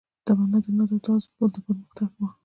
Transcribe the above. تمنا د ناز او تاز و پرمختګ و